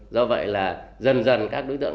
do vậy là dần dần các đối tượng